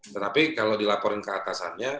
tetapi kalau dilaporin keatasannya